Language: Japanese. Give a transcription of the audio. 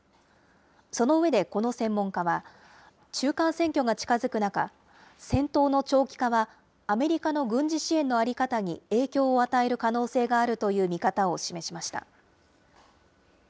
その上で、この専門家は、中間選挙が近づく中、戦闘の長期化はアメリカの軍事支援の在り方に影響を与える可能性があるという見方を示しました。